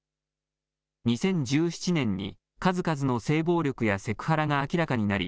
２０１７年に数々の性暴力やセクハラが明らかになり、＃